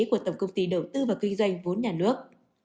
của tổng công ty đầu tư và kinh doanh vốn nhà nước